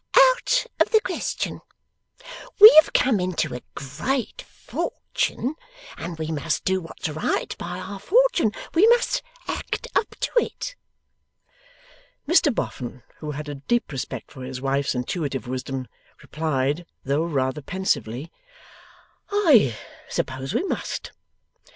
'Out of the question! We have come into a great fortune, and we must do what's right by our fortune; we must act up to it.' Mr Boffin, who had a deep respect for his wife's intuitive wisdom, replied, though rather pensively: 'I suppose we must.